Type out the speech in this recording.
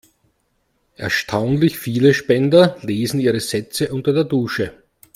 Erstaunlich viele Spender lesen ihre Sätze unter der Dusche.